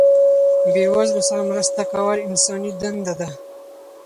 بې وزلو سره مرسته کول انساني دنده ده.